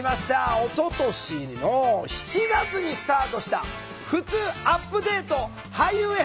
おととしの７月にスタートした「ふつうアップデート俳優編」